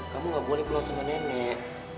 kamu gak boleh pulang sama nenek